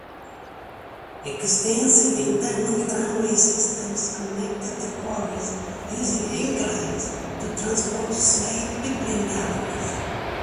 Extensive internal tramway systems connected the quarries using inclines to transport slate between galleries.